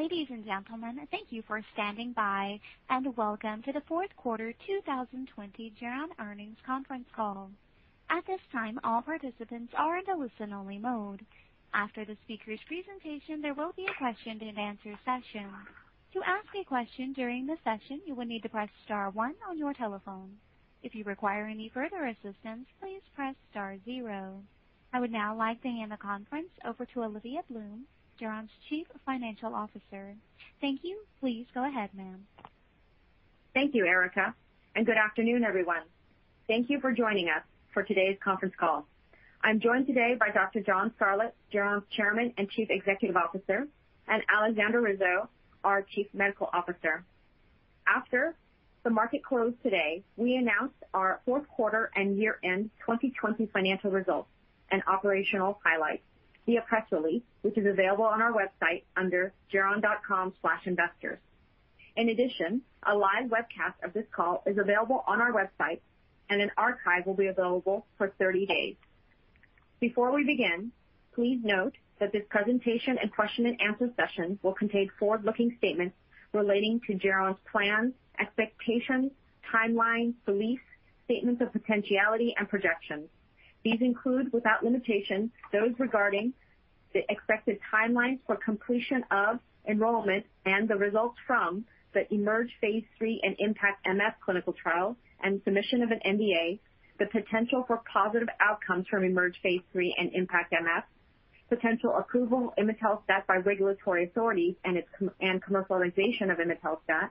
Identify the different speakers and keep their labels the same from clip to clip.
Speaker 1: Ladies and gentlemen, thank you for standing by and welcome to the Fourth Quarter 2020 Geron Earnings Conference Call. At this time, all participants are in the listen-only mode. After the speaker's presentation, there will be a question-and-answer session. To ask a question during the session, you will need to press star one on your telephone. If you require any further assistance, please press star zero. I would now like to hand the conference over to Olivia Bloom, Geron's Chief Financial Officer. Thank you. Please go ahead, ma'am.
Speaker 2: Thank you, Erica, and good afternoon, everyone. Thank you for joining us for today's conference call. I'm joined today by Dr. John Scarlett, Geron's Chairman and Chief Executive Officer, and Alexander Rizzo, our Chief Medical Officer. After the market closed today, we announced our fourth quarter and year-end 2020 financial results and operational highlights via press release, which is available on our website under geron.com/investors. In addition, a live webcast of this call is available on our website, and an archive will be available for 30 days. Before we begin, please note that this presentation and question-and-answer session will contain forward-looking statements relating to Geron's plans, expectations, timelines, beliefs, statements of potentiality, and projections. These include, without limitation, those regarding the expected timelines for completion of enrollment and the results from the IMerge phase III and IMpactMF clinical trial and submission of an NDA, the potential for positive outcomes from IMerge phase III and IMpactMF, potential approval of imetelstat by regulatory authorities and commercialization of imetelstat,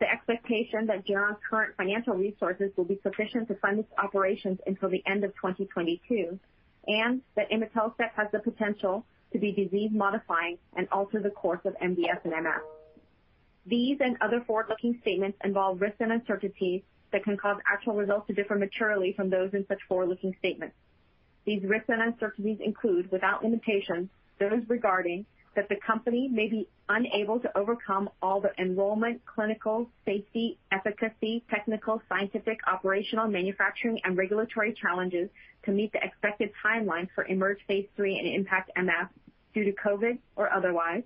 Speaker 2: the expectation that Geron's current financial resources will be sufficient to fund its operations until the end of 2022, and that imetelstat has the potential to be disease-modifying and alter the course of MDS and MF. These and other forward-looking statements involve risks and uncertainties that can cause actual results to differ materially from those in such forward-looking statements. These risks and uncertainties include, without limitation, those regarding that the company may be unable to overcome all the enrollment, clinical, safety, efficacy, technical, scientific, operational, manufacturing, and regulatory challenges to meet the expected timelines for IMerge phase III and IMpactMF due to COVID or otherwise,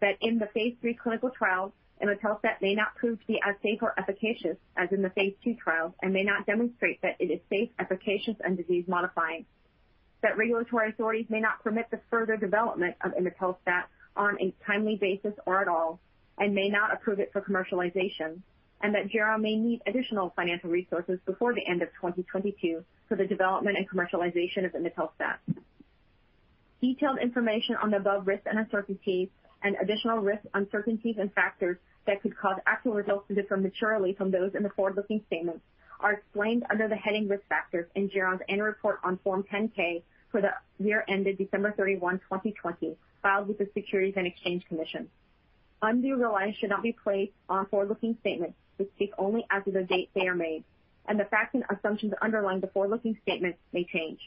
Speaker 2: that in the phase III clinical trials, imetelstat may not prove to be as safe or efficacious as in the phase II trials and may not demonstrate that it is safe, efficacious, and disease-modifying, that regulatory authorities may not permit the further development of imetelstat on a timely basis or at all, and may not approve it for commercialization, and that Geron may need additional financial resources before the end of 2022 for the development and commercialization of imetelstat. Detailed information on the above risks and uncertainties and additional risks, uncertainties, and factors that could cause actual results to differ materially from those in the forward-looking statements are explained under the heading Risk Factors in Geron's Annual Report on Form 10-K for the year ended December 31, 2020, filed with the Securities and Exchange Commission. Undue reliance should not be placed on forward-looking statements. They speak only as of the date they are made, and the facts and assumptions underlying the forward-looking statements may change.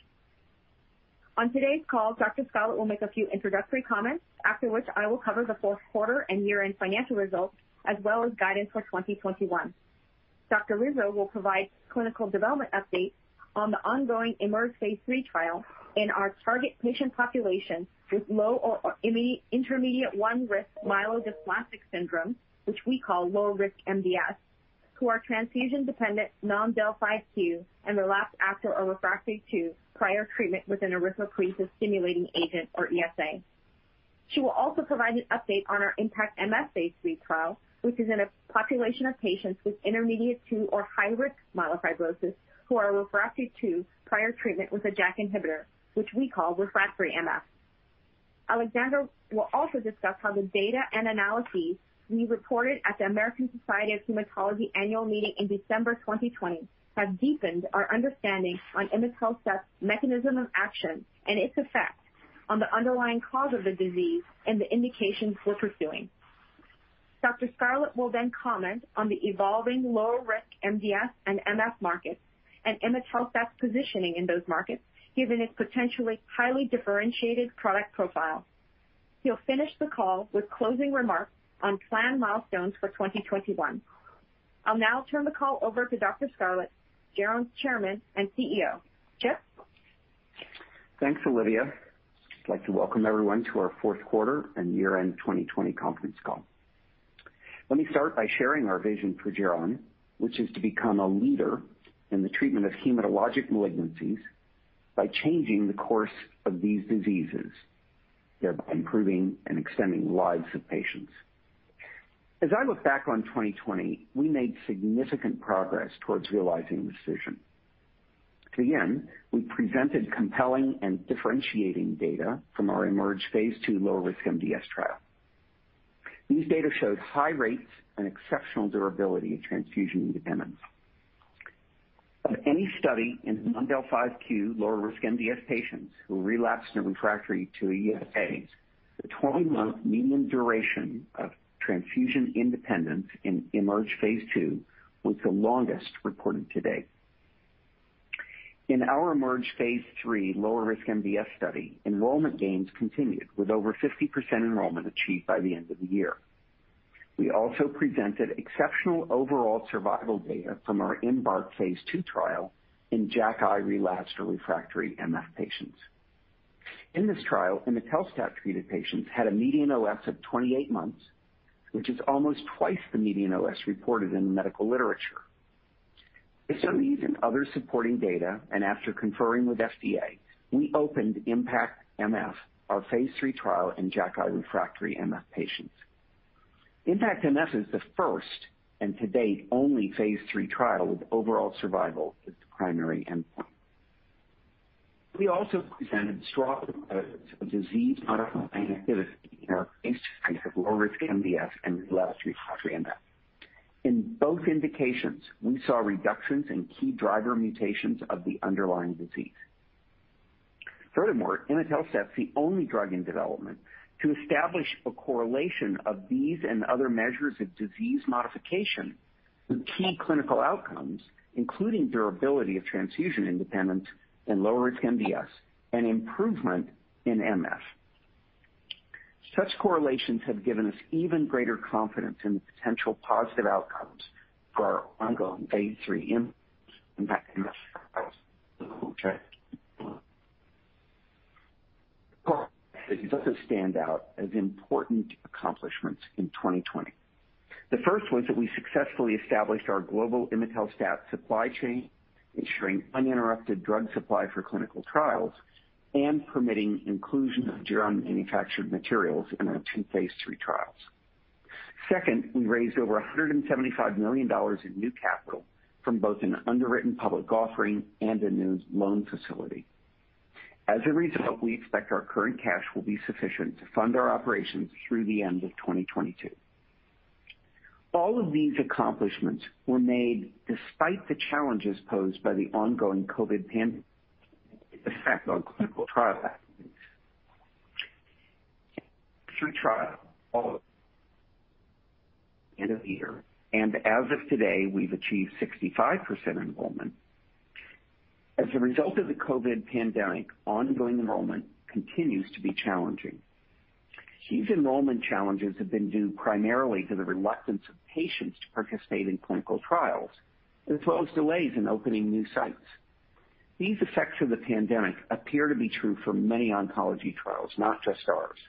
Speaker 2: On today's call, Dr. Scarlett will make a few introductory comments, after which I will cover the fourth quarter and year-end financial results, as well as guidance for 2021. Dr. Rizzo will provide clinical development updates on the ongoing IMerge phase III trial in our target patient population with low or intermediate one risk myelodysplastic syndrome, which we call low-risk MDS, who are transfusion-dependent, non-del(5q), and relapsed after or refractory to prior treatment with an erythropoietin stimulating agent, or ESA. She will also provide an update on our IMpactMF phase III trial, which is in a population of patients with intermediate two or high-risk myelofibrosis who are refractory to prior treatment with a JAK-inhibitor, which we call refractory MF. Alexandra will also discuss how the data and analyses we reported at the American Society of Hematology Annual Meeting in December 2020 have deepened our understanding on imetelstat's mechanism of action and its effect on the underlying cause of the disease and the indications we're pursuing. Dr. Scarlett will then comment on the evolving low-risk MDS and MF markets and imetelstat's positioning in those markets, given its potentially highly differentiated product profile. He'll finish the call with closing remarks on planned milestones for 2021. I'll now turn the call over to Dr. Scarlett, Geron's Chairman and CEO. John?
Speaker 3: Thanks, Olivia. I'd like to welcome everyone to our fourth quarter and year-end 2020 conference call. Let me start by sharing our vision for Geron, which is to become a leader in the treatment of hematologic malignancies by changing the course of these diseases, thereby improving and extending the lives of patients. As I look back on 2020, we made significant progress towards realizing this vision. To begin, we presented compelling and differentiating data from our IMerge phase II low-risk MDS trial. These data showed high rates and exceptional durability of transfusion independence. Of any study in non-del(5q) low-risk MDS patients who relapsed and were refractory to ESAs, the 20-month median duration of transfusion independence in IMerge phase II was the longest reported to date. In our IMerge phase III low-risk MDS study, enrollment gains continued, with over 50% enrollment achieved by the end of the year. We also presented exceptional overall survival data from our IMbark phase II trial in JAK-inhibitor relapsed or refractory MF patients. In this trial, imetelstat-treated patients had a median OS of 28 months, which is almost twice the median OS reported in the medical literature. Based on these and other supporting data, and after conferring with FDA, we opened IMpactMF, our phase III trial in JAK-inhibitor refractory MF patients. IMpactMF is the first and, to date, only phase III trial with overall survival as the primary endpoint. We also presented strong evidence of disease-modifying activity in our phase III of low-risk MDS and relapsed refractory MF. In both indications, we saw reductions in key driver mutations of the underlying disease. Furthermore, imetelstat's the only drug in development to establish a correlation of these and other measures of disease modification with key clinical outcomes, including durability of transfusion independence in low-risk MDS and improvement in MF. Such correlations have given us even greater confidence in the potential positive outcomes for our ongoing phase III IMpactMF. It stands out as important accomplishments in 2020. The first was that we successfully established our global imetelstat supply chain, ensuring uninterrupted drug supply for clinical trials and permitting inclusion of Geron-manufactured materials in our two phase III trials. Second, we raised over $175 million in new capital from both an underwritten public offering and a new loan facility. As a result, we expect our current cash will be sufficient to fund our operations through the end of 2022. All of these accomplishments were made despite the challenges posed by the ongoing COVID pandemic and the effect on clinical trial activities. Through trial all of the end of the year, and as of today, we've achieved 65% enrollment. As a result of the COVID pandemic, ongoing enrollment continues to be challenging. These enrollment challenges have been due primarily to the reluctance of patients to participate in clinical trials, as well as delays in opening new sites. These effects of the pandemic appear to be true for many oncology trials, not just ours.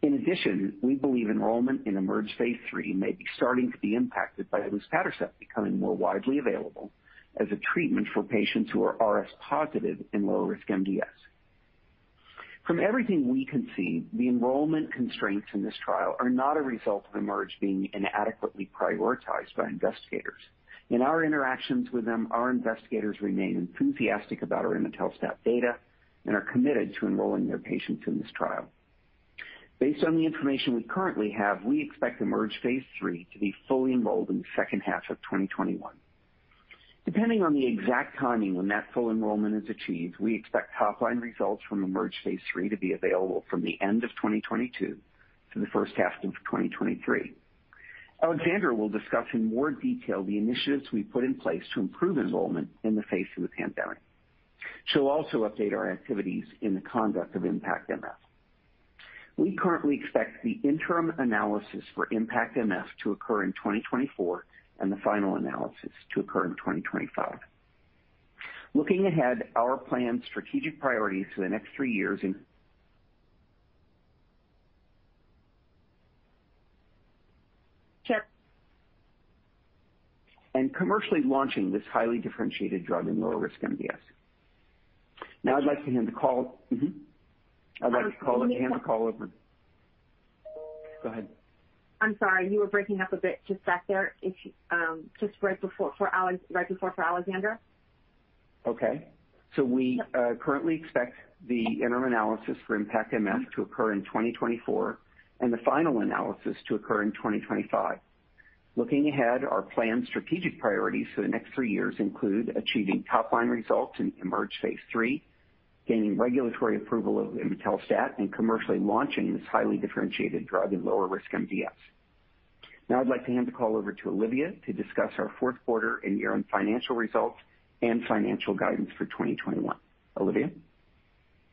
Speaker 3: In addition, we believe enrollment in IMerge phase III may be starting to be impacted by luspatercept becoming more widely available as a treatment for patients who are RS positive in low-risk MDS. From everything we can see, the enrollment constraints in this trial are not a result of IMerge being inadequately prioritized by investigators. In our interactions with them, our investigators remain enthusiastic about our imetelstat data and are committed to enrolling their patients in this trial. Based on the information we currently have, we expect IMerge phase III to be fully enrolled in the second half of 2021. Depending on the exact timing when that full enrollment is achieved, we expect top-line results from IMerge phase III to be available from the end of 2022 to the first half of 2023. Alexandra will discuss in more detail the initiatives we put in place to improve enrollment in the face of the pandemic. She'll also update our activities in the conduct of IMpactMF. We currently expect the interim analysis for IMpactMF to occur in 2024 and the final analysis to occur in 2025. Looking ahead, our planned strategic priorities for the next three years in.
Speaker 2: John.
Speaker 3: Commercially launching this highly differentiated drug in low-risk MDS. Now, I'd like to hand the call. I'd like to call and hand the call over. Go ahead.
Speaker 2: I'm sorry. You were breaking up a bit just back there just right before for Alexander.
Speaker 3: Okay. We currently expect the interim analysis for IMpactMF to occur in 2024 and the final analysis to occur in 2025. Looking ahead, our planned strategic priorities for the next three years include achieving top-line results in IMerge phase III, gaining regulatory approval of imetelstat, and commercially launching this highly differentiated drug in low-risk MDS. Now, I'd like to hand the call over to Olivia to discuss our fourth quarter and year-end financial results and financial guidance for 2021. Olivia.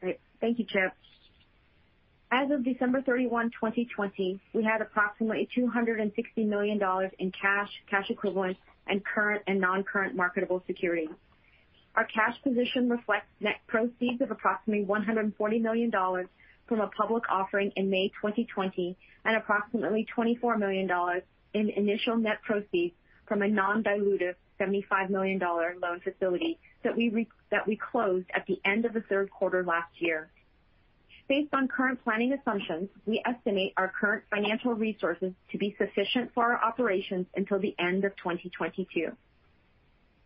Speaker 2: Great. Thank you, John. As of December 31, 2020, we had approximately $260 million in cash, cash equivalents, and current and non-current marketable securities. Our cash position reflects net proceeds of approximately $140 million from a public offering in May 2020 and approximately $24 million in initial net proceeds from a non-dilutive $75 million loan facility that we closed at the end of the third quarter last year. Based on current planning assumptions, we estimate our current financial resources to be sufficient for our operations until the end of 2022.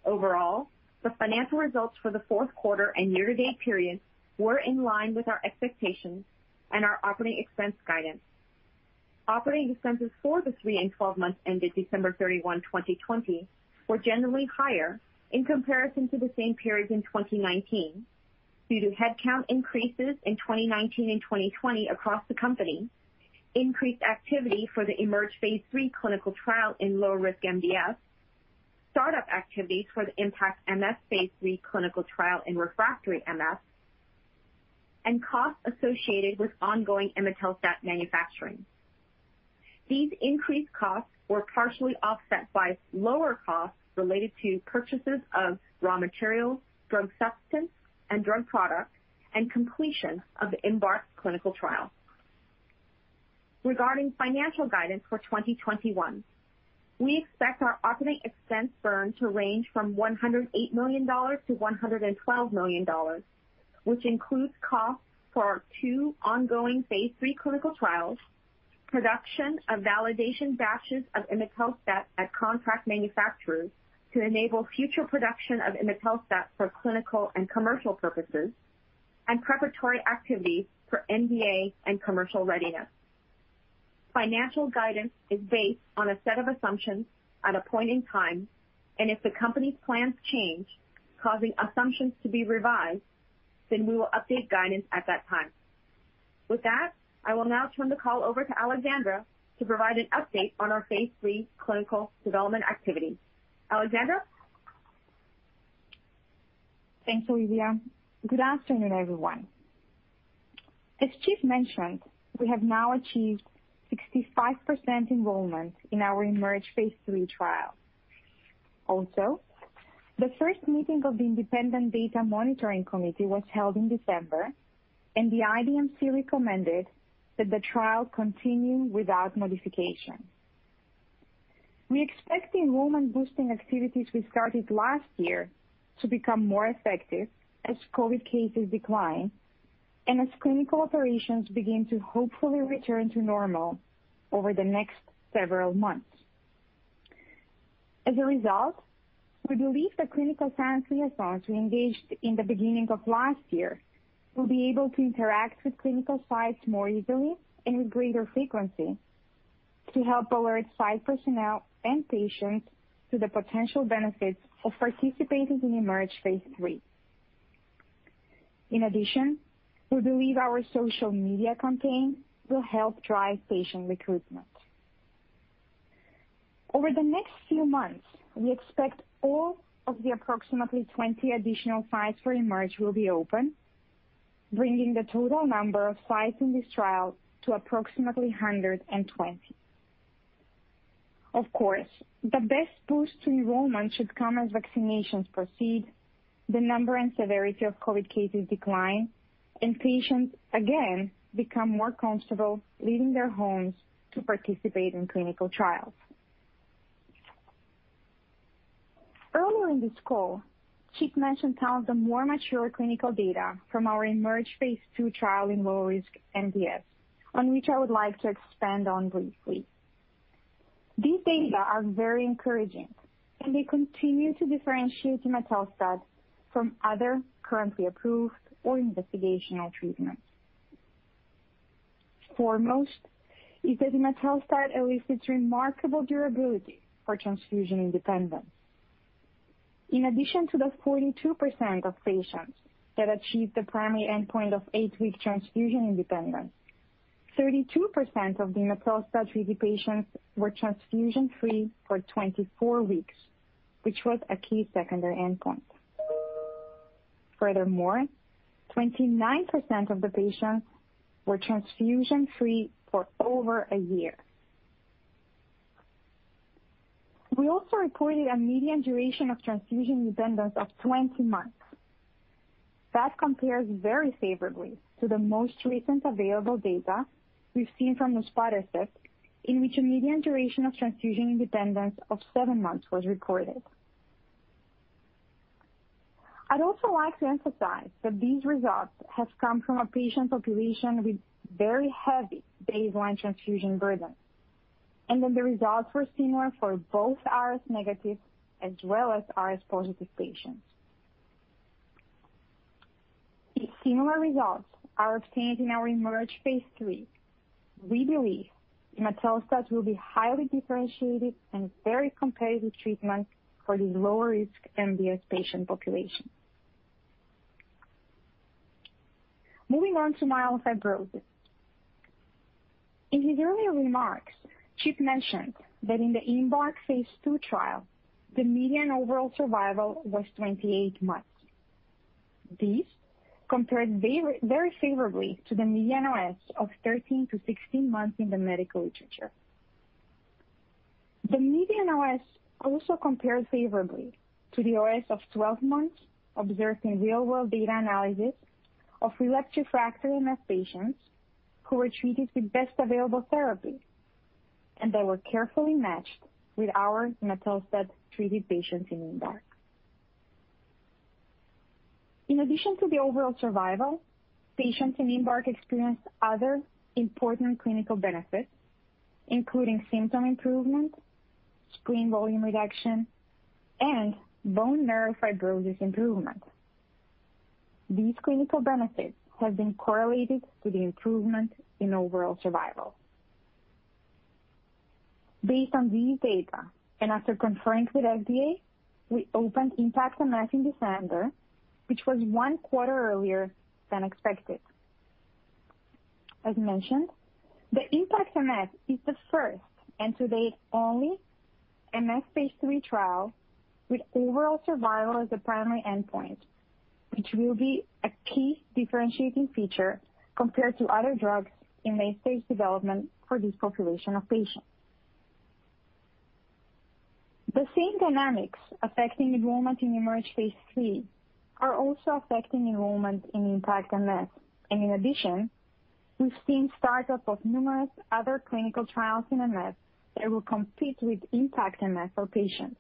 Speaker 2: Overall, the financial results for the fourth quarter and year-to-date period were in line with our expectations and our operating expense guidance. Operating expenses for the three months and four months ended December 31, 2020, were generally higher in comparison to the same period in 2019 due to headcount increases in 2019 and 2020 across the company, increased activity for the IMerge phase III clinical trial in low-risk MDS, startup activities for the IMpactMF phase III clinical trial in refractory MF, and costs associated with ongoing imetelstat manufacturing. These increased costs were partially offset by lower costs related to purchases of raw materials, drug substance, and drug product, and completion of the IMbark clinical trial. Regarding financial guidance for 2021, we expect our operating expense burn to range from $108 million-$112 million, which includes costs for our two ongoing phase III clinical trials, production of validation batches of imetelstat at contract manufacturers to enable future production of imetelstat for clinical and commercial purposes, and preparatory activities for NDA and commercial readiness. Financial guidance is based on a set of assumptions at a point in time, and if the company's plans change, causing assumptions to be revised, then we will update guidance at that time. With that, I will now turn the call over to Alexandra to provide an update on our phase III clinical development activity. Alexandra?
Speaker 4: Thanks, Olivia. Good afternoon, everyone. As Chief mentioned, we have now achieved 65% enrollment in our IMerge phase III trial. Also, the first meeting of the Independent Data Monitoring Committee was held in December, and the IDMC recommended that the trial continue without modification. We expect the enrollment-boosting activities we started last year to become more effective as COVID cases decline and as clinical operations begin to hopefully return to normal over the next several months. As a result, we believe the clinical science liaisons we engaged in the beginning of last year will be able to interact with clinical sites more easily and with greater frequency to help alert site personnel and patients to the potential benefits of participating in IMerge phase III. In addition, we believe our social media campaign will help drive patient recruitment. Over the next few months, we expect all of the approximately 20 additional sites for IMerge will be open, bringing the total number of sites in this trial to approximately 120. Of course, the best boost to enrollment should come as vaccinations proceed, the number and severity of COVID cases decline, and patients again become more comfortable leaving their homes to participate in clinical trials. Earlier in this call, Chief mentioned some of the more mature clinical data from our IMerge phase II trial in low-risk MDS, on which I would like to expand on briefly. These data are very encouraging, and they continue to differentiate imetelstat from other currently approved or investigational treatments. Foremost is that imetelstat elicits remarkable durability for transfusion independence. In addition to the 42% of patients that achieved the primary endpoint of eight-week transfusion independence, 32% of the imetelstat treated patients were transfusion-free for 24 weeks, which was a key secondary endpoint. Furthermore, 29% of the patients were transfusion-free for over a year. We also reported a median duration of transfusion independence of 20 months. That compares very favorably to the most recent available data we've seen from Reblozyl, in which a median duration of transfusion independence of seven months was recorded. I'd also like to emphasize that these results have come from a patient population with very heavy baseline transfusion burden, and that the results were similar for both RS negative as well as RS positive patients. If similar results are obtained in our IMerge phase III, we believe imetelstat will be highly differentiated and very competitive treatment for the low-risk MDS patient population. Moving on to myelofibrosis. In his earlier remarks, Chief mentioned that in the IMbark phase II trial, the median overall survival was 28 months. This compares very favorably to the median OS of 13-16 months in the medical literature. The median OS also compares favorably to the OS of 12 months observed in real-world data analysis of relapsed refractory MF patients who were treated with best available therapy, and they were carefully matched with our imetelstat treated patients in IMbark. In addition to the overall survival, patients in IMbark experienced other important clinical benefits, including symptom improvement, spleen volume reduction, and bone marrow fibrosis improvement. These clinical benefits have been correlated to the improvement in overall survival. Based on these data and after conferring with FDA, we opened IMpactMF in December, which was one quarter earlier than expected. As mentioned, the IMpactMF is the first and to date only MF phase III trial with overall survival as the primary endpoint, which will be a key differentiating feature compared to other drugs in late-stage development for this population of patients. The same dynamics affecting enrollment in IMerge phase III are also affecting enrollment in IMpactMF, and in addition, we've seen startup of numerous other clinical trials in MF that will compete with IMpactMF for patients.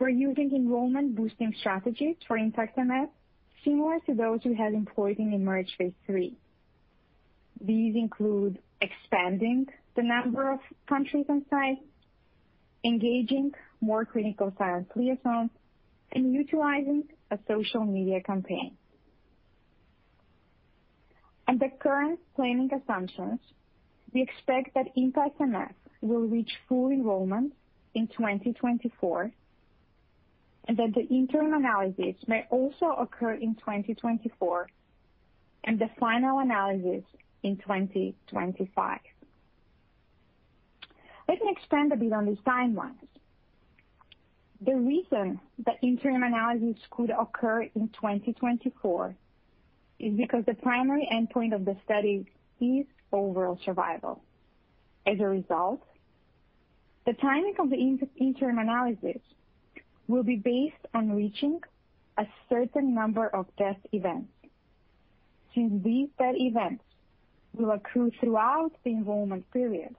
Speaker 4: We're using enrollment-boosting strategies for IMpactMF similar to those we have employed in IMerge phase III. These include expanding the number of countries and sites, engaging more clinical science liaisons, and utilizing a social media campaign. Under current planning assumptions, we expect that IMpactMF will reach full enrollment in 2024 and that the interim analysis may also occur in 2024 and the final analysis in 2025. Let me expand a bit on these timelines. The reason the interim analysis could occur in 2024 is because the primary endpoint of the study is overall survival. As a result, the timing of the interim analysis will be based on reaching a certain number of test events. Since these test events will occur throughout the enrollment period,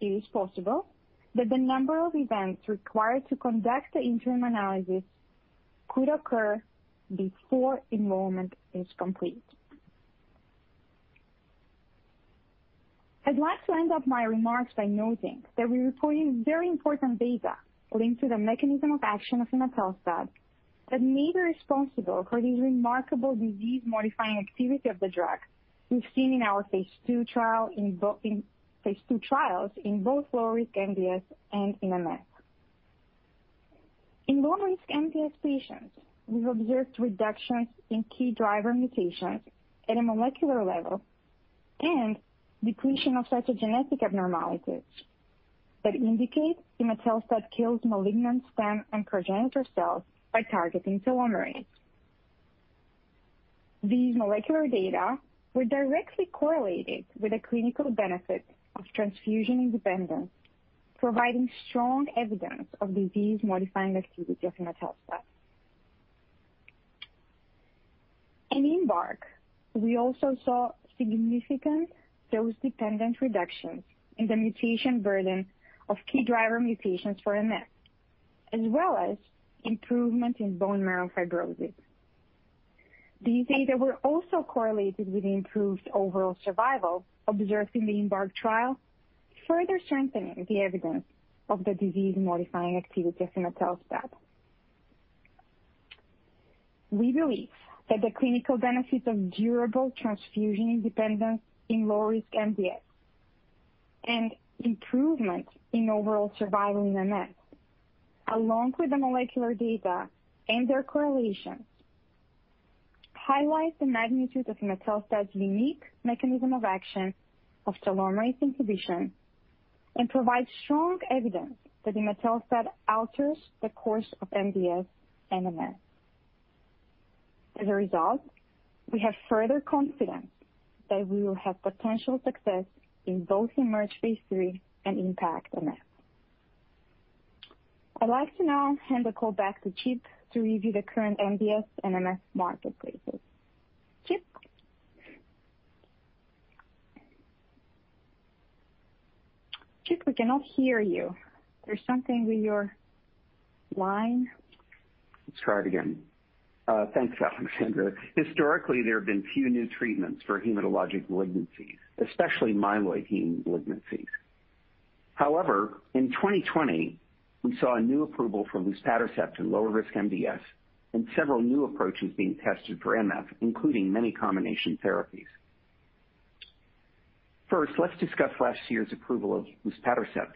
Speaker 4: it is possible that the number of events required to conduct the interim analysis could occur before enrollment is complete. I'd like to end my remarks by noting that we're reporting very important data linked to the mechanism of action of imetelstat that may be responsible for this remarkable disease-modifying activity of the drug we've seen in our phase II trials in both low-risk MDS and in MF. In low-risk MDS patients, we've observed reductions in key driver mutations at a molecular level and decreasing of cytogenetic abnormalities that indicate imetelstat kills malignant stem and progenitor cells by targeting telomerase. These molecular data were directly correlated with the clinical benefits of transfusion independence, providing strong evidence of disease-modifying activity of imetelstat. In IMbark, we also saw significant dose-dependent reductions in the mutation burden of key driver mutations for MF, as well as improvement in bone marrow fibrosis. These data were also correlated with improved overall survival observed in the IMbark trial, further strengthening the evidence of the disease-modifying activity of imetelstat. We believe that the clinical benefits of durable transfusion independence in low-risk MDS and improvement in overall survival in MF, along with the molecular data and their correlations, highlight the magnitude of imetelstat's unique mechanism of action of telomerase inhibition and provide strong evidence that imetelstat alters the course of MDS and MF. As a result, we have further confidence that we will have potential success in both IMerge phase III and IMpactMF. I'd like to now hand the call back to Chief to review the current MDS and MF marketplaces. Chief? Chief, we cannot hear you. There's something with your line.
Speaker 3: Let's try it again. Thanks, Alexandra. Historically, there have been few new treatments for hematologic malignancies, especially myeloid heme malignancies. However, in 2020, we saw a new approval for luspatercept in low-risk MDS and several new approaches being tested for MF, including many combination therapies. First, let's discuss last year's approval of luspatercept,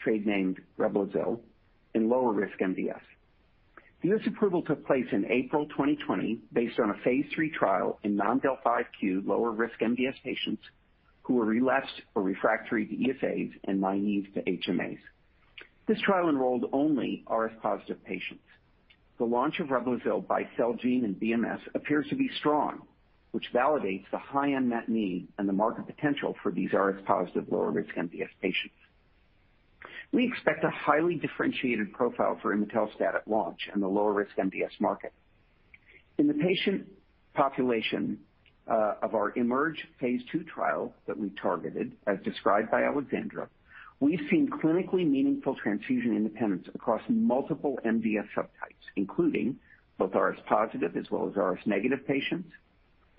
Speaker 3: trade name Reblozyl, in lower-risk MDS. This approval took place in April 2020 based on a phase III trial in non-del(5q) lower-risk MDS patients who were relapsed or refractory to ESAs and myelitis to HMAs. This trial enrolled only RS-positive patients. The launch of Reblozyl by Celgene and BMS appears to be strong, which validates the high unmet need and the market potential for these RS-positive lower-risk MDS patients. We expect a highly differentiated profile for imetelstat at launch in the lower-risk MDS market. In the patient population of our IMerge phase II trial that we targeted, as described by Alexandra, we've seen clinically meaningful transfusion independence across multiple MDS subtypes, including both RS positive as well as RS negative patients,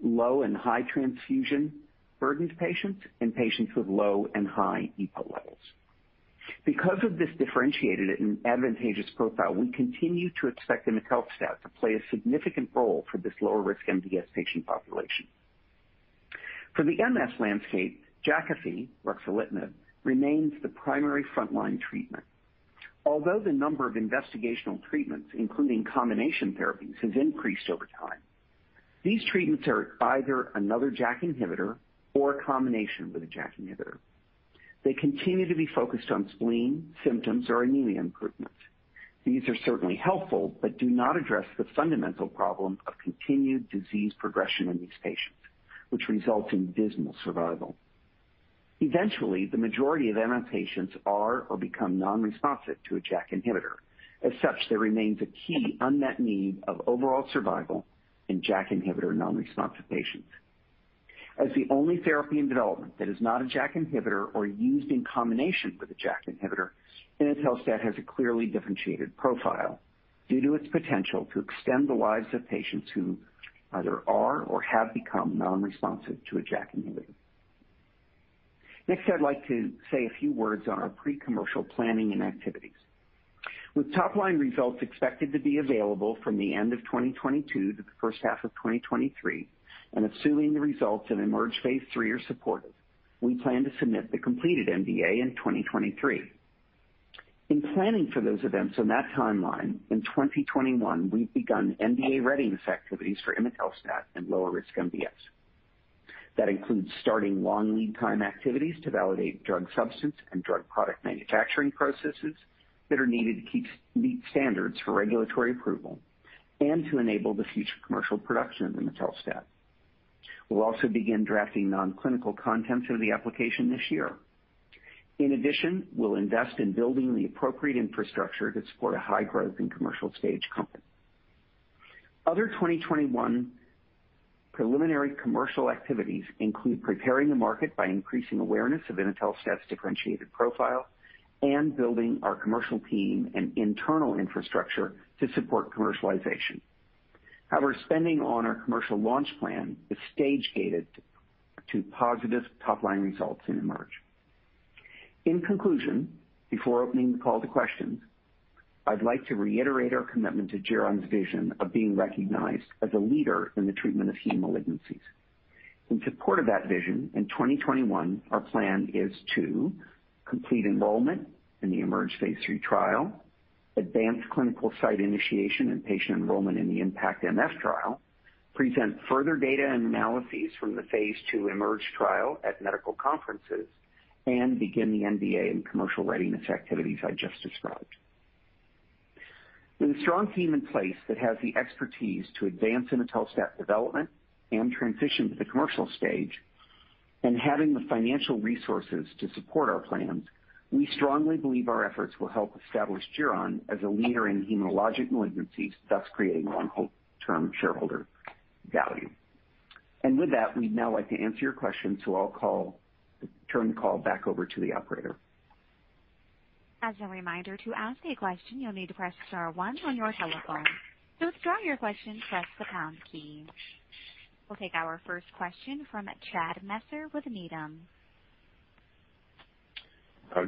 Speaker 3: low and high transfusion burdened patients, and patients with low and high EPO levels. Because of this differentiated and advantageous profile, we continue to expect imetelstat to play a significant role for this lower risk MDS patient population. For the MF landscape, Jakafi, ruxolitinib, remains the primary frontline treatment. Although the number of investigational treatments, including combination therapies, has increased over time, these treatments are either another JAK-inhibitor or a combination with a JAK-inhibitor. They continue to be focused on spleen symptoms or anemia improvements. These are certainly helpful, but do not address the fundamental problem of continued disease progression in these patients, which results in dismal survival. Eventually, the majority of MF patients are or become non-responsive to a JAK-inhibitor. As such, there remains a key unmet need of overall survival in JAK-inhibitor non-responsive patients. As the only therapy in development that is not a JAK-inhibitor or used in combination with a JAK-inhibitor, imetelstat has a clearly differentiated profile due to its potential to extend the lives of patients who either are or have become non-responsive to a JAK-inhibitor. Next, I'd like to say a few words on our pre-commercial planning and activities. With top-line results expected to be available from the end of 2022 to the first half of 2023, and assuming the results of IMerge phase III are supportive, we plan to submit the completed NDA in 2023. In planning for those events on that timeline, in 2021, we've begun NDA readiness activities for imetelstat in lower risk MDS. That includes starting long lead time activities to validate drug substance and drug product manufacturing processes that are needed to meet standards for regulatory approval and to enable the future commercial production of imetelstat. We'll also begin drafting non-clinical contents of the application this year. In addition, we'll invest in building the appropriate infrastructure to support a high-growth and commercial stage company. Other 2021 preliminary commercial activities include preparing the market by increasing awareness of imetelstat's differentiated profile and building our commercial team and internal infrastructure to support commercialization. However, spending on our commercial launch plan is stage-gated to positive top-line results in IMerge. In conclusion, before opening the call to questions, I'd like to reiterate our commitment to Geron's vision of being recognized as a leader in the treatment of heme malignancies. In support of that vision, in 2021, our plan is to complete enrollment in the IMerge phase III trial, advance clinical site initiation and patient enrollment in the IMpactMF trial, present further data and analyses from the phase II IMerge trial at medical conferences, and begin the NDA and commercial readiness activities I just described. With a strong team in place that has the expertise to advance imetelstat development and transition to the commercial stage, and having the financial resources to support our plans, we strongly believe our efforts will help establish Geron as a leader in hematologic malignancies, thus creating long-term shareholder value. We would now like to answer your questions, so I'll turn the call back over to the operator.
Speaker 1: As a reminder, to ask a question, you'll need to press star one on your telephone. To withdraw your question, press the pound key. We'll take our first question from Chad Messer with Needham.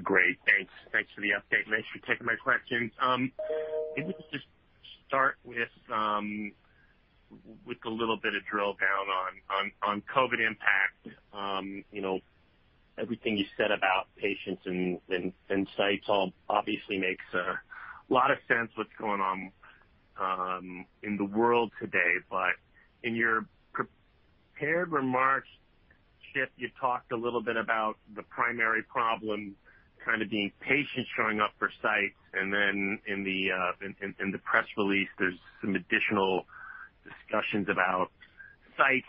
Speaker 5: Great. Thanks. Thanks for the update. Thanks for taking my questions. Maybe we'll just start with a little bit of drill down on COVID impact. Everything you said about patients and sites obviously makes a lot of sense what's going on in the world today. In your prepared remarks, Chief, you talked a little bit about the primary problem kind of being patients showing up for sites, and then in the press release, there's some additional discussions about site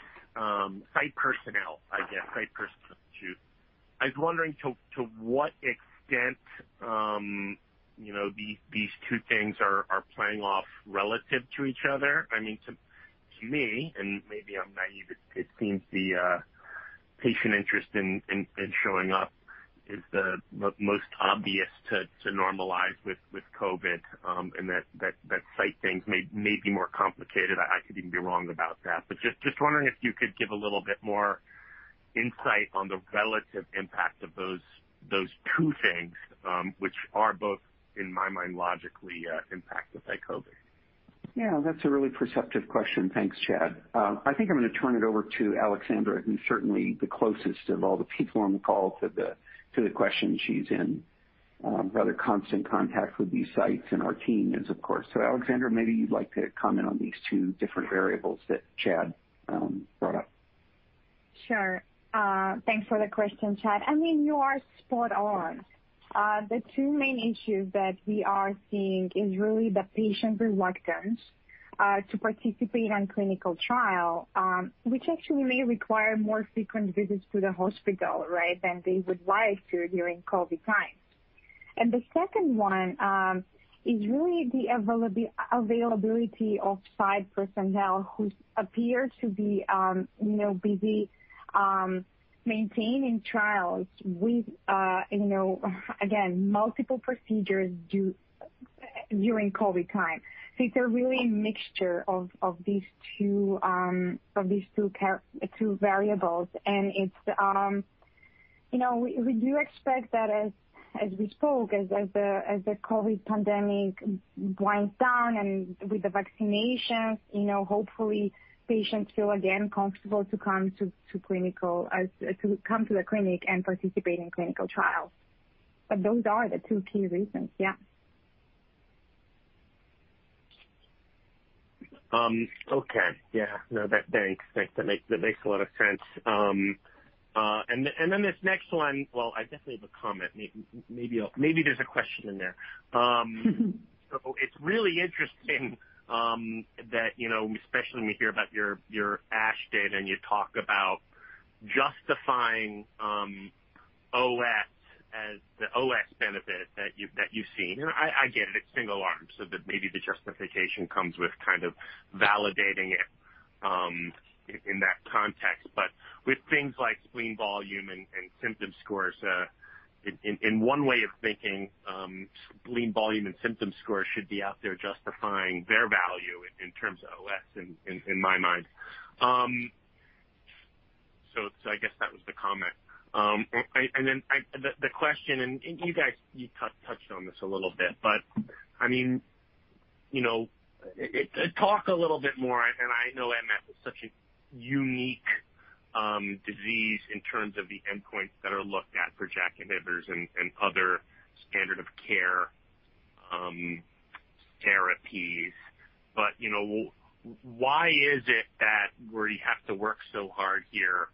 Speaker 5: personnel, I guess, site personnel issues. I was wondering to what extent these two things are playing off relative to each other. I mean, to me, and maybe I'm naive, it seems the patient interest in showing up is the most obvious to normalize with COVID, and that site things may be more complicated. I could even be wrong about that. am just wondering if you could give a little bit more insight on the relative impact of those two things, which are both, in my mind, logically impacted by COVID.
Speaker 3: Yeah. That's a really perceptive question. Thanks, Chad. I think I'm going to turn it over to Alexandra, who's certainly the closest of all the people on the call to the questions she's in, rather constant contact with these sites and our team is, of course. Alexandra, maybe you'd like to comment on these two different variables that Chad brought up.
Speaker 4: Sure. Thanks for the question, Chad. I mean, you are spot on. The two main issues that we are seeing is really the patient reluctance to participate in clinical trial, which actually may require more frequent visits to the hospital, right, than they would like to during COVID times. The second one is really the availability of site personnel who appear to be busy maintaining trials with, again, multiple procedures during COVID time. It is a really mixture of these two variables. We do expect that as we spoke, as the COVID pandemic winds down and with the vaccinations, hopefully, patients feel again comfortable to come to the clinic and participate in clinical trials. Those are the two key reasons. Yeah.
Speaker 5: Okay. Yeah. No, thanks. Thanks. That makes a lot of sense. This next one, I definitely have a comment. Maybe there's a question in there. It's really interesting that, especially when we hear about your ASH data and you talk about justifying the OS benefit that you've seen. I get it. It's single arms, so maybe the justification comes with kind of validating it in that context. With things like spleen volume and symptom scores, in one way of thinking, spleen volume and symptom scores should be out there justifying their value in terms of OS, in my mind. I guess that was the comment. The question, and you guys touched on this a little bit, I mean, talk a little bit more. I know MF is such a unique disease in terms of the endpoints that are looked at for JAK-inhibitors and other standard of care therapies. Why is it that we have to work so hard here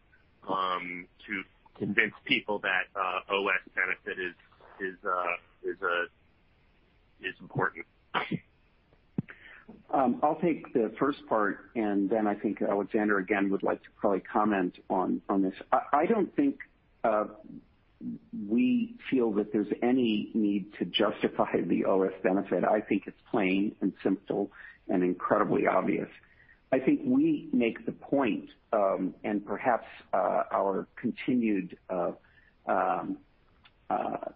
Speaker 5: to convince people that OS benefit is important?
Speaker 3: I'll take the first part, and then I think Alexandra, again, would like to probably comment on this. I don't think we feel that there's any need to justify the OS benefit. I think it's plain and simple and incredibly obvious. I think we make the point, and perhaps our continued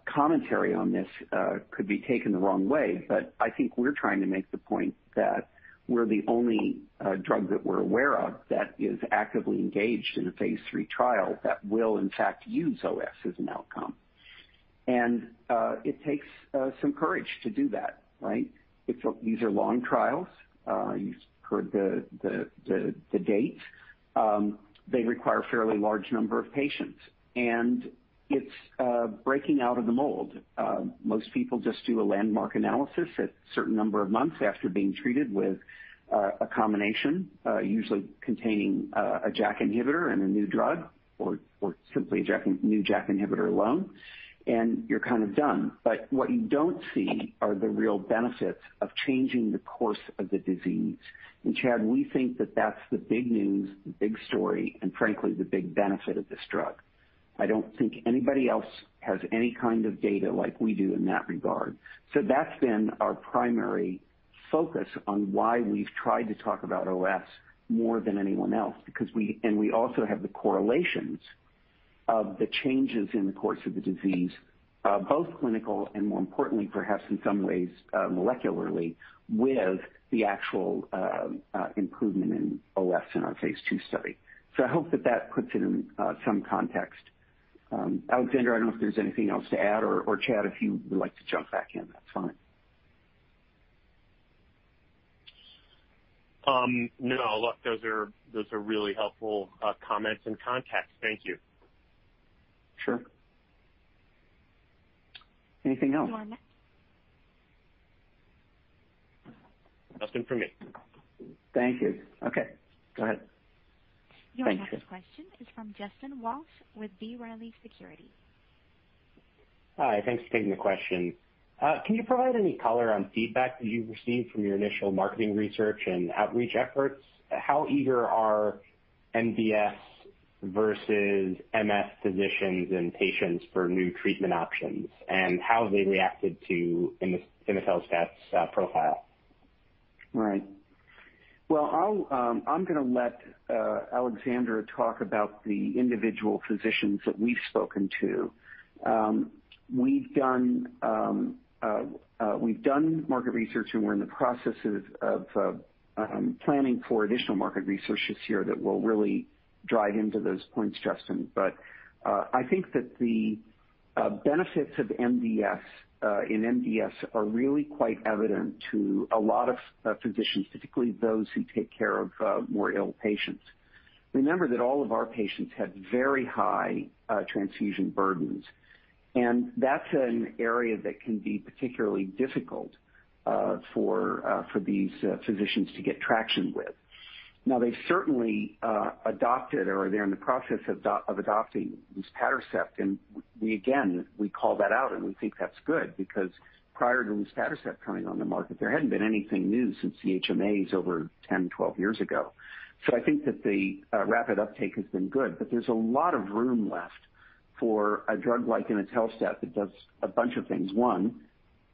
Speaker 3: commentary on this could be taken the wrong way, but I think we're trying to make the point that we're the only drug that we're aware of that is actively engaged in a phase III trial that will, in fact, use OS as an outcome. It takes some courage to do that, right? These are long trials. You've heard the dates. They require a fairly large number of patients. It's breaking out of the mold. Most people just do a landmark analysis at a certain number of months after being treated with a combination, usually containing a JAK-inhibitor and a new drug or simply a new JAK-inhibitor alone, and you're kind of done. What you don't see are the real benefits of changing the course of the disease. Chad, we think that that's the big news, the big story, and frankly, the big benefit of this drug. I don't think anybody else has any kind of data like we do in that regard. That has been our primary focus on why we've tried to talk about OS more than anyone else, and we also have the correlations of the changes in the course of the disease, both clinical and, more importantly, perhaps in some ways molecularly, with the actual improvement in OS in our phase II study. I hope that that puts it in some context. Alexandra, I don't know if there's anything else to add, or Chad, if you would like to jump back in, that's fine.
Speaker 5: No. Those are really helpful comments and context. Thank you.
Speaker 3: Sure. Anything else?
Speaker 5: Nothing from me.
Speaker 3: Thank you. Okay. Go ahead.
Speaker 1: Your next question is from Justin Walsh with B. Riley Securities.
Speaker 6: Hi. Thanks for taking the question. Can you provide any color on feedback that you've received from your initial marketing research and outreach efforts? How eager are MDS versus MF physicians and patients for new treatment options, and how have they reacted to imetelstat's profile?
Speaker 3: Right. I'm going to let Alexandra talk about the individual physicians that we've spoken to. We've done market research, and we're in the process of planning for additional market research this year that will really drive into those points, Justin. I think that the benefits of MDS in MDS are really quite evident to a lot of physicians, particularly those who take care of more ill patients. Remember that all of our patients had very high transfusion burdens, and that's an area that can be particularly difficult for these physicians to get traction with. They've certainly adopted or they're in the process of adopting luspatercept, and again, we call that out, and we think that's good because prior to luspatercept coming on the market, there hadn't been anything new since the HMAs over 10 years-12 years ago. I think that the rapid uptake has been good, but there's a lot of room left for a drug like imetelstat that does a bunch of things. One,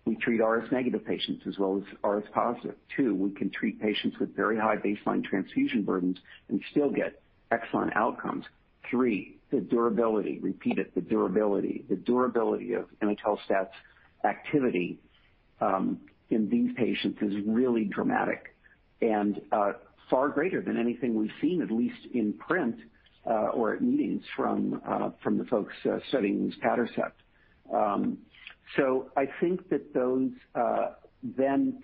Speaker 3: we treat RS negative patients as well as RS positive. Two, we can treat patients with very high baseline transfusion burdens and still get excellent outcomes. Three, the durability—the durability. The durability of imetelstat's activity in these patients is really dramatic and far greater than anything we've seen, at least in print or at meetings from the folks studying luspatercept. I think that those then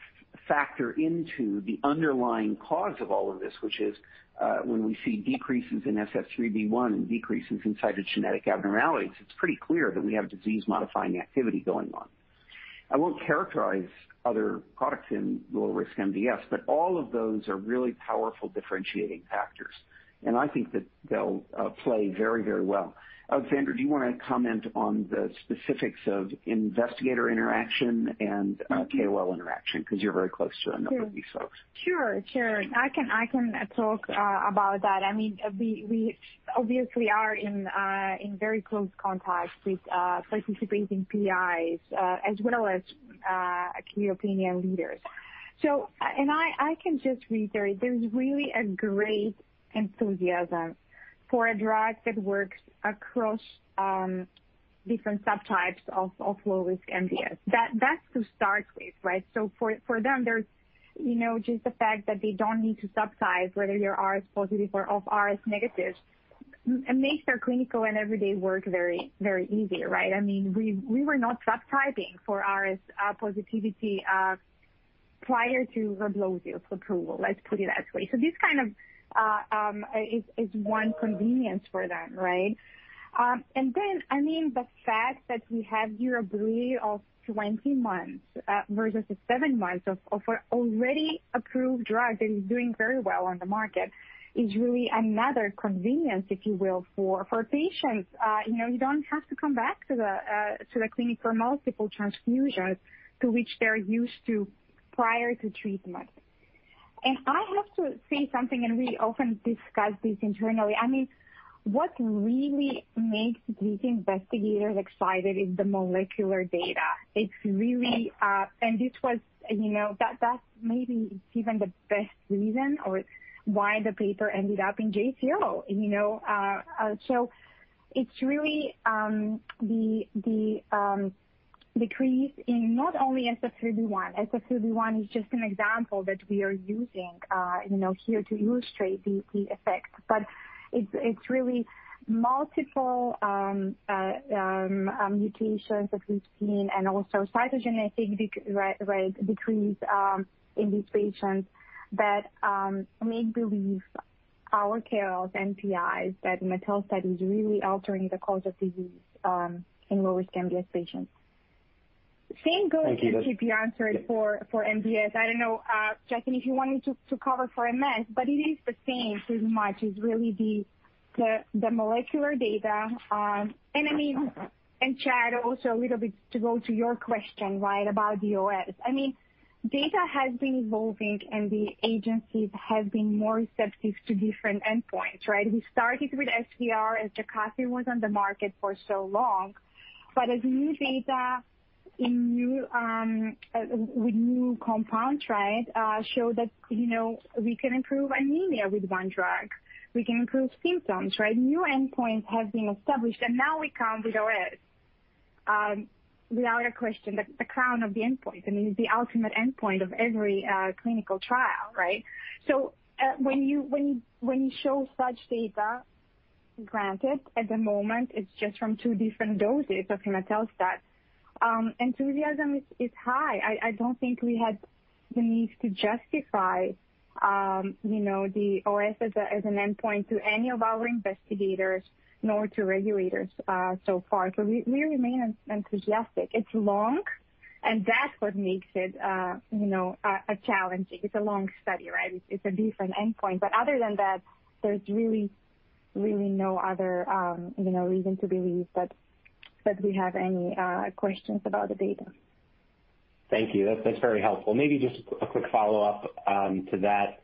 Speaker 3: factor into the underlying cause of all of this, which is when we see decreases in SF3B1 and decreases in cytogenetic abnormalities, it's pretty clear that we have disease-modifying activity going on. I won't characterize other products in low-risk MDS, but all of those are really powerful differentiating factors, and I think that they'll play very, very well. Alexandra, do you want to comment on the specifics of investigator interaction and KOL interaction because you're very close to a number of these folks?
Speaker 7: Sure. Sure. I can talk about that. I mean, we obviously are in very close contact with participating PIs as well as key opinion leaders. I can just reiterate, there's really a great enthusiasm for a drug that works across different subtypes of low-risk MDS. That's to start with, right? For them, just the fact that they don't need to subtype, whether you're RS positive or RS negative, makes their clinical and everyday work very easy, right? I mean, we were not subtyping for RS positivity prior to Reblozyl's approval, let's put it that way. This kind of is one convenience for them, right? I mean, the fact that we have your ability of 20 months versus the 7 months of an already approved drug that is doing very well on the market is really another convenience, if you will, for patients. You don't have to come back to the clinic for multiple transfusions to which they're used to prior to treatment. I have to say something, and we often discuss this internally. I mean, what really makes these investigators excited is the molecular data. This was that maybe it's even the best reason or why the paper ended up in JCO. It's really the decrease in not only SF3B1. SF3B1 is just an example that we are using here to illustrate the effect. It's really multiple mutations that we've seen and also cytogenetic decrease in these patients that make believe our KOLs and PIs that imetelstat is really altering the cause of disease in low-risk MDS patients. Same goes with your answer for MDS. I don't know, Justin, if you want me to cover for MF, but it is the same pretty much. It's really the molecular data. I mean, and Chad, also a little bit to go to your question, right, about the OS. I mean, data has been evolving, and the agencies have been more receptive to different endpoints, right? We started with SVR as Jakafi was on the market for so long, but as new data with new compounds, right, showed that we can improve anemia with one drug. We can improve symptoms, right? New endpoints have been established, and now we come with OS without a question. The crown of the endpoint, I mean, is the ultimate endpoint of every clinical trial, right? When you show such data, granted, at the moment, it's just from two different doses of imetelstat, enthusiasm is high. I don't think we had the need to justify the OS as an endpoint to any of our investigators nor to regulators so far. We remain enthusiastic. It's long, and that's what makes it a challenge. It's a long study, right? It's a different endpoint. Other than that, there's really, really no other reason to believe that we have any questions about the data. Thank you. That's very helpful. Maybe just a quick follow-up to that.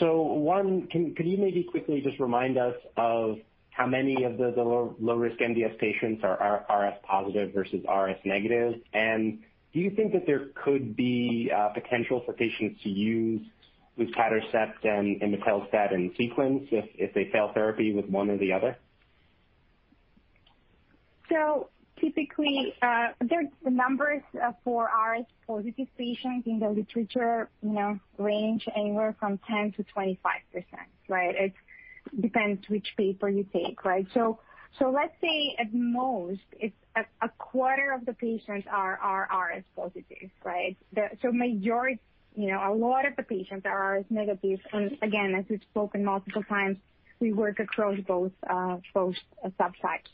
Speaker 7: One, could you maybe quickly just remind us of how many of the low-risk MDS patients are RS positive versus RS negative? Do you think that there could be potential for patients to use luspatercept and imetelstat in sequence if they fail therapy with one or the other? Typically, the numbers for RS positive patients in the literature range anywhere from 10%-25%, right? It depends which paper you take, right? Let's say at most, a quarter of the patients are RS positive, right? A lot of the patients are RS negative. As we've spoken multiple times, we work across both subtypes.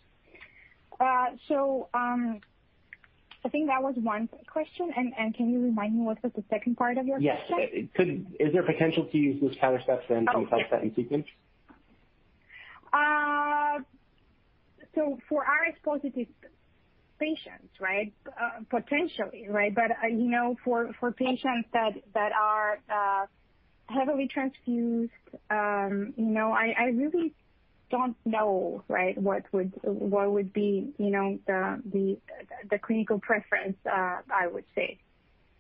Speaker 7: I think that was one question. Can you remind me what was the second part of your question? Yes. Is there potential to use luspatercept and imetelstat in sequence? For RS positive patients, right, potentially, right? For patients that are heavily transfused, I really don't know, right, what would be the clinical preference, I would say,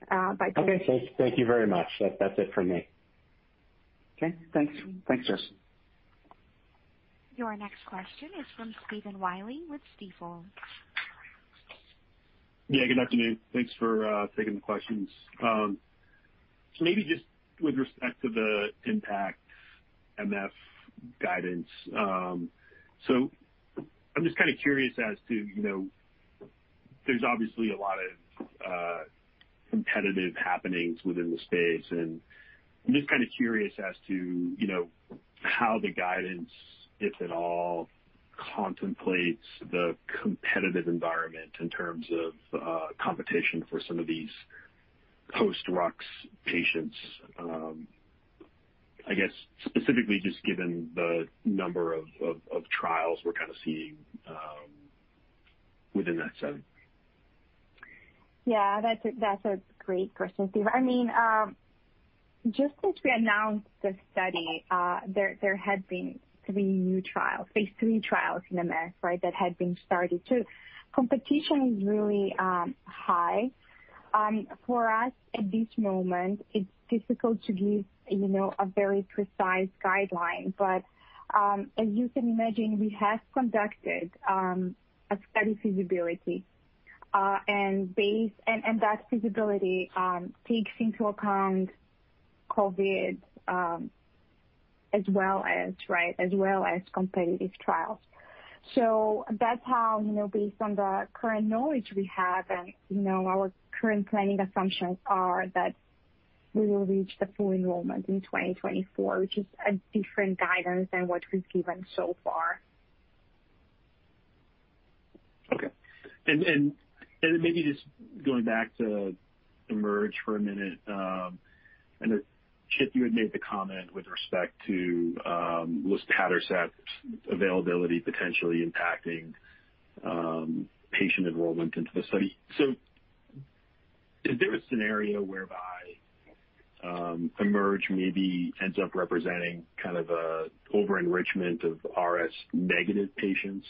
Speaker 7: by.
Speaker 6: Okay. Thank you very much. That's it from me.
Speaker 3: Okay. Thanks. Thanks, Jus.
Speaker 1: Your next question is from Stephen Willey with Stifel?
Speaker 8: Yeah. Good afternoon. Thanks for taking the questions. Maybe just with respect to the IMpactMF guidance. I'm just kind of curious as to there's obviously a lot of competitive happenings within the space, and I'm just kind of curious as to how the guidance, if at all, contemplates the competitive environment in terms of competition for some of these post-ROSC patients, I guess, specifically just given the number of trials we're kind of seeing within that setting.
Speaker 4: Yeah. That's a great question, Stephen. I mean, just since we announced the study, there have been three new trials, phase III trials in MDS, right, that have been started. Competition is really high. For us, at this moment, it's difficult to give a very precise guideline. As you can imagine, we have conducted a study feasibility, and that feasibility takes into account COVID as well as, right, as well as competitive trials. That's how, based on the current knowledge we have and our current planning assumptions, we will reach the full enrollment in 2024, which is a different guidance than what we've given so far.
Speaker 8: Okay. Maybe just going back to IMerge for a minute, I know, Chip, you had made the comment with respect to luspatercept's availability potentially impacting patient enrollment into the study. Is there a scenario whereby IMerge maybe ends up representing kind of an over-enrichment of RS negative patients?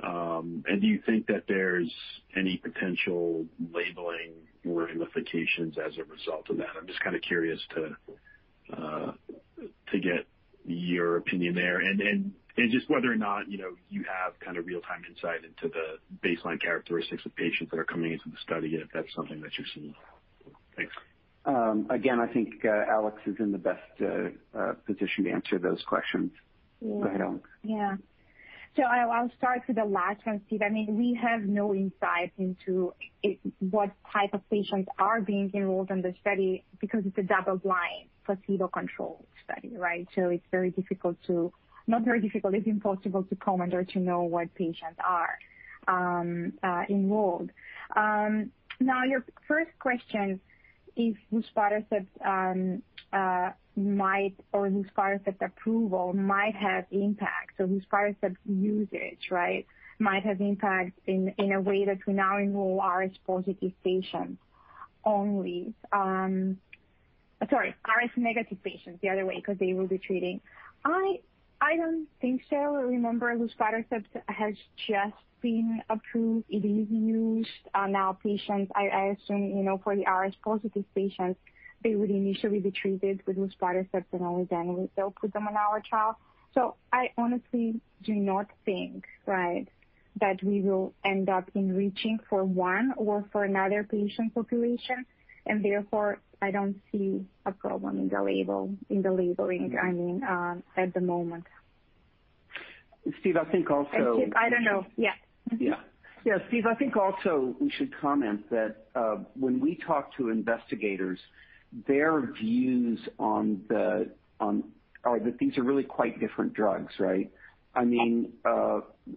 Speaker 8: Do you think that there's any potential labeling or ramifications as a result of that? I'm just kind of curious to get your opinion there and just whether or not you have kind of real-time insight into the baseline characteristics of patients that are coming into the study and if that's something that you've seen. Thanks.
Speaker 3: Again, I think Alex is in the best position to answer those questions. Go ahead, Alex.
Speaker 4: Yeah. I'll start with the last one, Stephen. I mean, we have no insight into what type of patients are being enrolled in the study because it's a double-blind placebo-controlled study, right? It's very difficult to—not very difficult, it's impossible to comment or to know what patients are enrolled. Now, your first question is luspatercept might, or luspatercept approval might have impact. luspatercept usage, right, might have impact in a way that we now enroll RS positive patients only, sorry, RS negative patients, the other way, because they will be treating. I don't think so. Remember, luspatercept has just been approved. It is used on our patients. I assume for the RS positive patients, they would initially be treated with luspatercept and only then we'll put them on our trial. I honestly do not think, right, that we will end up enriching for one or for another patient population. I don't see a problem in the labeling, I mean, at the moment.
Speaker 3: Stephen, I think also—
Speaker 4: I don't know. Yeah.
Speaker 3: Yeah. Yeah. Stephen, I think also we should comment that when we talk to investigators, their views on the—or that these are really quite different drugs, right? I mean, the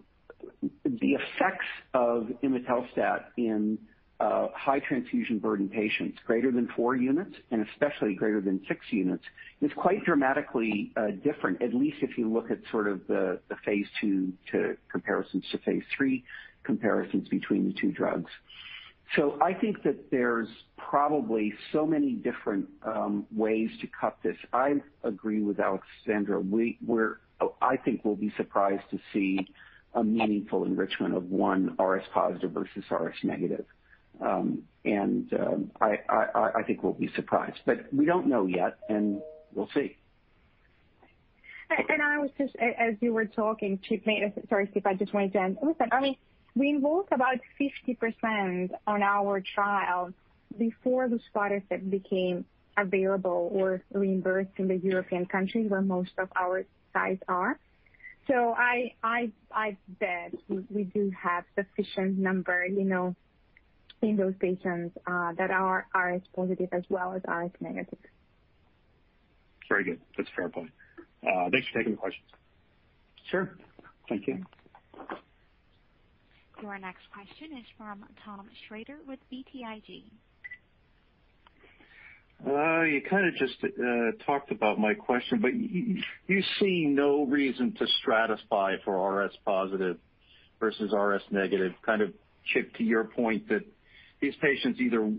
Speaker 3: effects of imetelstat in high transfusion burden patients, greater than four units and especially greater than six units, is quite dramatically different, at least if you look at sort of the phase II comparisons to phase III comparisons between the two drugs. I think that there's probably so many different ways to cut this. I agree with Alexandra. I think we'll be surprised to see a meaningful enrichment of one RS positive versus RS negative. I think we'll be surprised. But we don't know yet, and we'll see.
Speaker 4: As you were talking, Chip made a—sorry, Stephen, I just wanted to—I mean, we invoked about 50% on our trial before luspatercept became available or reimbursed in the European countries where most of our sites are. I bet we do have sufficient numbers in those patients that are RS positive as well as RS negative.
Speaker 8: Very good. That's a fair point. Thanks for taking the questions.
Speaker 3: Sure. Thank you.
Speaker 1: Your next question is from Tom Shrader with BTIG.
Speaker 9: You kind of just talked about my question, but you see no reason to stratify for RS positive versus RS negative. Kind of, Chip, to your point, that these patients either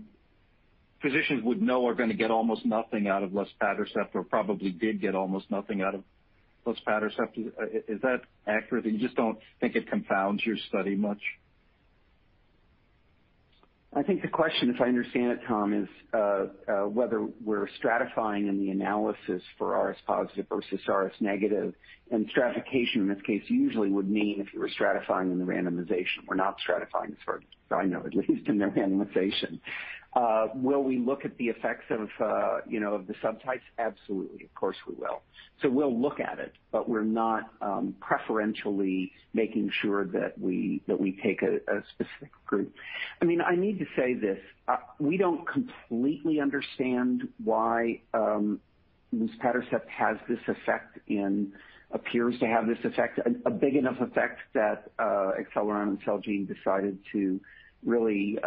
Speaker 9: physicians would know are going to get almost nothing out of luspatercept or probably did get almost nothing out of luspatercept. Is that accurate? You just don't think it confounds your study much?
Speaker 3: I think the question, if I understand it, Tom, is whether we're stratifying in the analysis for RS positive versus RS negative. Stratification in this case usually would mean if you were stratifying in the randomization. We're not stratifying as far as I know, at least in the randomization. Will we look at the effects of the subtypes? Absolutely. Of course, we will. We'll look at it, but we're not preferentially making sure that we take a specific group. I mean, I need to say this. We don't completely understand why luspatercept has this effect and appears to have this effect, a big enough effect that Acceleron and Celgene decided to really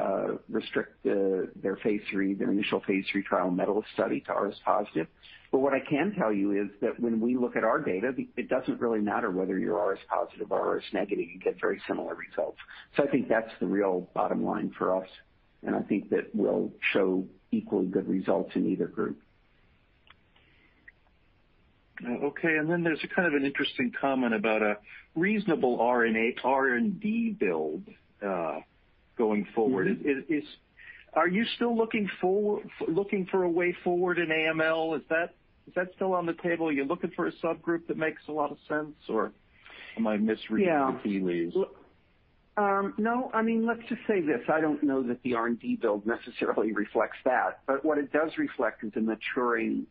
Speaker 3: restrict their phase III, their initial phase III trial meta-study to RS positive. What I can tell you is that when we look at our data, it does not really matter whether you are RS positive or RS negative. You get very similar results. I think that is the real bottom line for us. I think that we will show equally good results in either group.
Speaker 9: Okay. There is kind of an interesting comment about a reasonable RNA R&D build going forward. Are you still looking for a way forward in AML? Is that still on the table? Are you looking for a subgroup that makes a lot of sense, or am I misreading the key leads?
Speaker 3: No. I mean, let's just say this. I don't know that the R&D build necessarily reflects that. What it does reflect is a maturing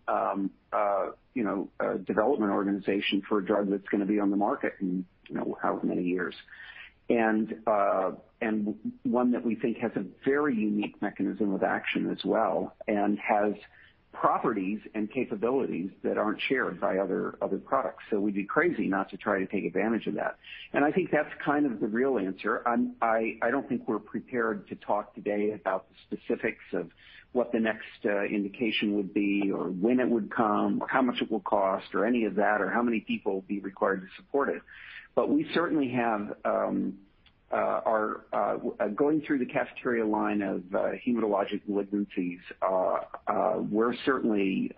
Speaker 3: development organization for a drug that's going to be on the market in how many years. One that we think has a very unique mechanism of action as well and has properties and capabilities that aren't shared by other products. We'd be crazy not to try to take advantage of that. I think that's kind of the real answer. I don't think we're prepared to talk today about the specifics of what the next indication would be or when it would come or how much it will cost or any of that or how many people will be required to support it. We certainly have our going through the cafeteria line of hematologic malignancies, we're certainly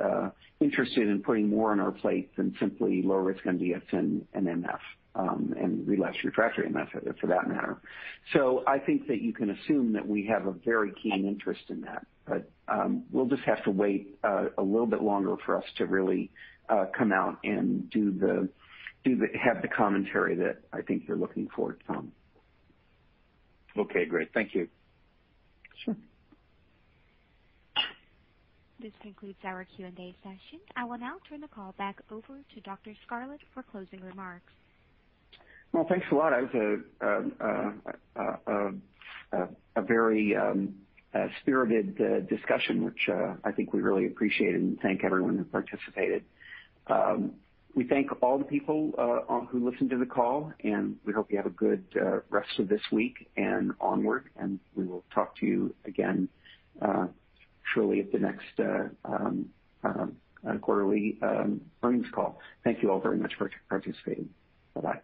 Speaker 3: interested in putting more on our plate than simply low-risk MDS and MF and relapse refractory MF for that matter. I think that you can assume that we have a very keen interest in that. We'll just have to wait a little bit longer for us to really come out and have the commentary that I think you're looking for, Tom.
Speaker 9: Okay. Great. Thank you.
Speaker 3: Sure.
Speaker 1: This concludes our Q&A session. I will now turn the call back over to Dr. Scarlett for closing remarks.
Speaker 3: Thanks a lot. That was a very spirited discussion, which I think we really appreciate and thank everyone who participated. We thank all the people who listened to the call, and we hope you have a good rest of this week and onward. We will talk to you again surely at the next quarterly earnings call. Thank you all very much for participating. Bye-bye.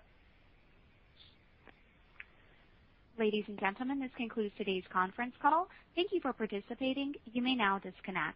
Speaker 1: Ladies and gentlemen, this concludes today's conference call. Thank you for participating. You may now disconnect.